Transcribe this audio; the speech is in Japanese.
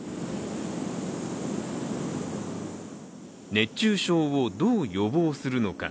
熱中症をどう予防するのか。